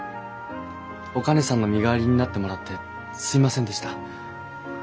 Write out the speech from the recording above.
お兼さんの身代わりになってもらってすみませんでした。